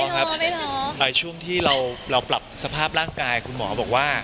ครับช่วงที่เราปรับสภาพร่างกายคุณหมอบอกว่า